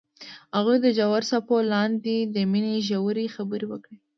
هغوی د ژور څپو لاندې د مینې ژورې خبرې وکړې.